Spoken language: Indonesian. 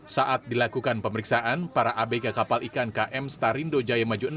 saat dilakukan pemeriksaan para abk kapal ikan km starindo jaya maju enam